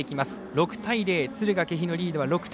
６対０、敦賀気比のリードは６点。